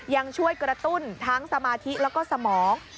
ยังช่วยกระตุ้นทั้งสมาธิแล้วก็สมอง